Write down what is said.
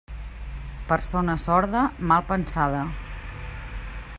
Persona sorda, mal pensada.